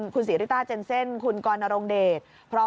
คุณศรีริต้าเจนเซ่นคุณกรณรงเดช